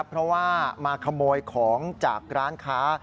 เพราะว่ามาขโมยของจากร้านค้า